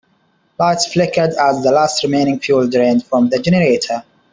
Lights flickered as the last remaining fuel drained from the generator.